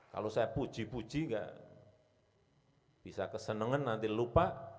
kalau saya puji puji nggak bisa kesenengan nanti lupa